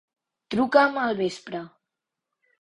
Truca'm al vespre.